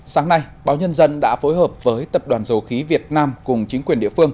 sáng nay báo nhân dân đã phối hợp với tập đoàn dầu khí việt nam cùng chính quốc gia